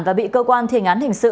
và bị cơ quan thiền án hình sự